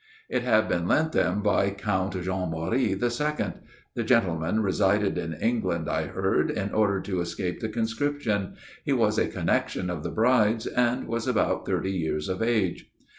It had been lent them by Count Jean Marie the Second. The gentleman resided in England, I heard, in order to escape the conscription ; he was a connexion of the bride's ; and was about thirty years of age.